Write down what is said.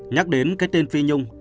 nhắc đến cái tên phi nhung